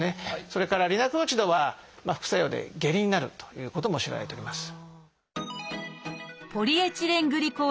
それからリナクロチドは副作用で下痢になるということも知られております。